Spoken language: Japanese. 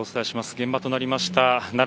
現場となりました